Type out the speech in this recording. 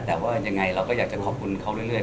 แต่ว่ายังไงเราก็อยากจะขอบคุณเขาเรื่อย